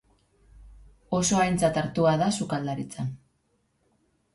Oso aintzat hartua da sukaldaritzan.